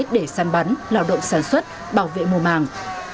để săn bắn lao động sản xuất bảo vệ mùa màng